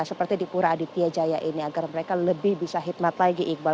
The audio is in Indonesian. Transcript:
seperti di pura aditya jaya ini agar mereka lebih bisa hikmat lagi iqbal